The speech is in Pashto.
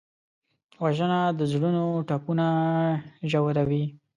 وژنه د زړونو ټپونه ژوروي